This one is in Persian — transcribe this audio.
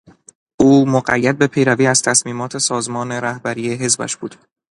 او مقید به پیروی از تصمیمات سازمان رهبری حزبش بود.